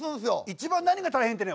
一番何が大変ってね